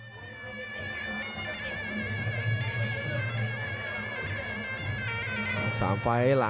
๓ไฟล์ชั่นหลังเร็วมาศรีหากพิกัดในแรกฝ่าย